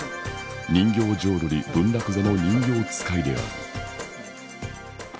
人形浄瑠璃文楽座の人形遣いである。